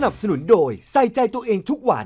สนุนโดยใส่ใจตัวเองทุกวัน